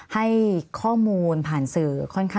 มันเป็นอาหารของพระราชา